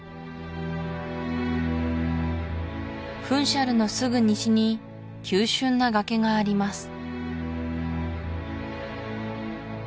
フンシャルのすぐ西に急峻な崖があります